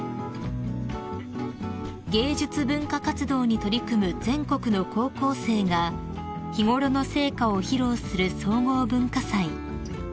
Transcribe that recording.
［芸術文化活動に取り組む全国の高校生が日頃の成果を披露する総合文化祭］